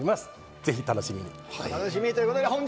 ぜひお楽しみに。